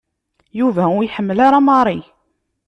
Yuba ur iḥemmel ara Mary.